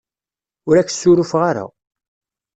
Ur ak-ssurufeɣ ara.